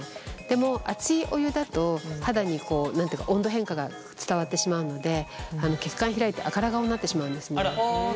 でも熱いお湯だと肌に温度変化が伝わってしまうので血管開いて赤ら顔になってしまうんですね。